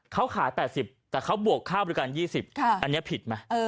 เขาขายแปดสิบแต่เขาบวกค่าบริการยี่สิบค่ะอันเนี้ยผิดไหมเออ